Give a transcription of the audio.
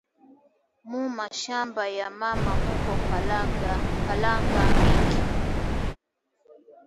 Mu mashamba ya mama muko kalanga mingi